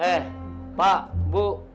eh pak bu